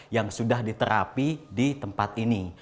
yang sudah diterapi di tempat ini